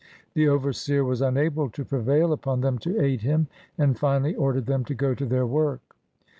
The overseer was unable to prevail upon them to aid him, and finally ordered them to go to their work.